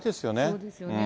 そうですよね。